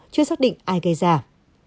chưa xác định ai gặp